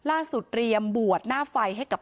เพราะพ่อเชื่อกับจ้างหักข้าวโพด